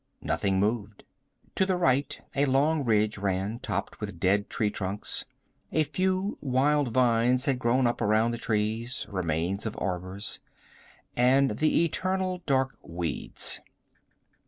Nothing moved. To the right a long ridge ran, topped with dead tree trunks. A few wild vines had grown up around the trees, remains of arbors. And the eternal dark weeds.